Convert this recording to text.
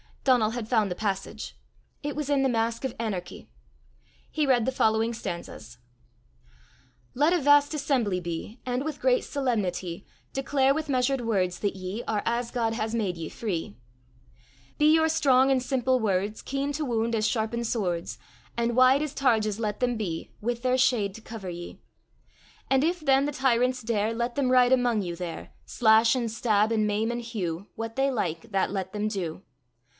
Donal had found the passage. It was in The Mask of Anarchy. He read the following stanzas: Let a vast assembly be, And with great solemnity Declare with measured words that ye Are, as God has made ye, free. Be your strong and simple words Keen to wound as sharpened swords, And wide as targes let them be, With their shade to cover ye. And if then the tyrants dare, Let them ride among you there, Slash, and stab, and maim, and hew What they like, that let them do.